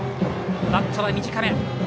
バットは短め。